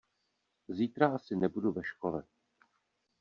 Zítra asi nebudu ve škole.